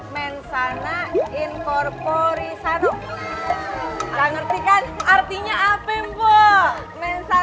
mengerti kan artinya apa